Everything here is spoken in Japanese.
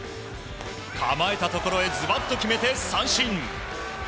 倒れたところにズバッと決めて三振。